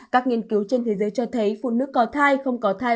các nghiên cứu trên thế giới cho thấy phụ nữ có thai không có thai